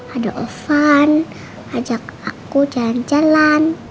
ada ovan ajak aku jalan jalan